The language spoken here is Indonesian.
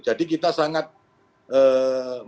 jadi kita sangat menyesal